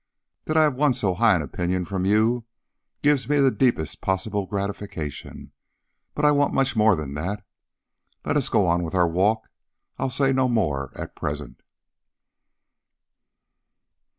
That I have won so high an opinion from you gives me the deepest possible gratification. But I want much more than that. Let us go on with our walk. I'll say no more at present."